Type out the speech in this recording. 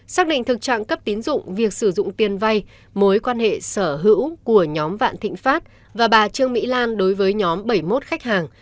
xác định thực trạng cấp tín dụng việc sử dụng tiền vay mối quan hệ sở hữu của nhóm vạn thịnh pháp và bà trương mỹ lan đối với nhóm bảy mươi một khách hàng